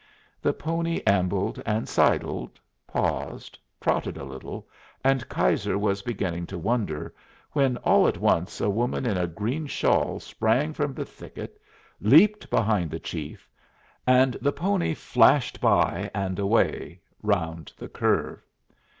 The pony ambled, and sidled, paused, trotted a little, and Keyser was beginning to wonder, when all at once a woman in a green shawl sprang from the thicket, leaped behind the chief, and the pony flashed by and away, round the curve.